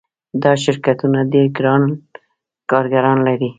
دا شرکتونه ډیر کارګران لري.